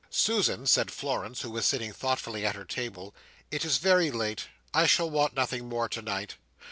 "Susan," said Florence, who was sitting thoughtfully at her table, "it is very late. I shall want nothing more tonight."